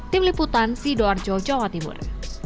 tim liputan sidoarjo jawa timur